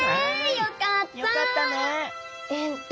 よかったね。